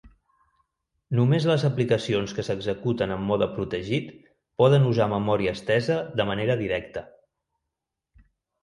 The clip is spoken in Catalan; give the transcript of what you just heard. Només les aplicacions que s'executen en mode protegit poden usar memòria estesa de manera directa.